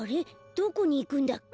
どこにいくんだっけ？